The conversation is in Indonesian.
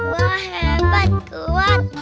wah hebat kuat